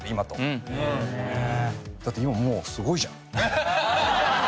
だって今もうすごいじゃん。